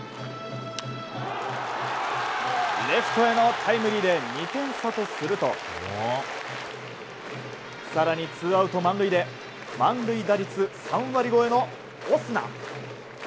レフトへのタイムリーで２点差とすると更に、ツーアウト満塁で満塁打率３割超えのオスナ。